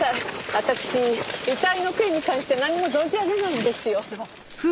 私遺体の件に関して何も存じ上げないんですよ。